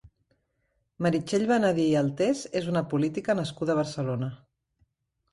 Meritxell Benedí i Altés és una política nascuda a Barcelona.